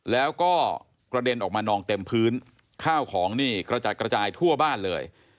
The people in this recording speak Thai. แล้วก็กระเด็นออกมานองเต็มพื้นข้าวของนี่กระจัดกระจายทั่วบ้านเลย